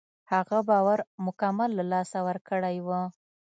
هغه باور مکمل له لاسه ورکړی و.